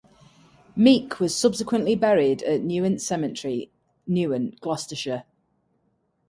Meek was subsequently buried at Newent Cemetery, Newent, Gloucestershire.